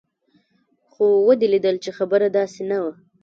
خو ودې ليدل چې خبره داسې نه وه.